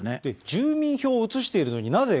住民票を移しているのになぜ、